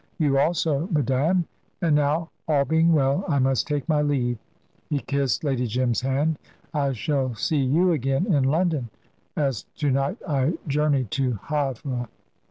You also, madame. And now, all being well, I must take my leave"; he kissed Lady Jim's hand. "I shall see you again in London, as to night I journey to Havre."